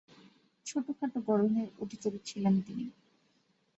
ছোটখাটো গড়নের অধিকারী ছিলেন তিনি।